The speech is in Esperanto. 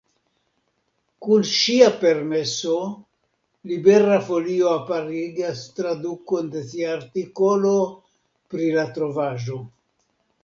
Kun ŝia permeso, Libera Folio aperigas tradukon de ŝia artikolo pri la trovaĵo.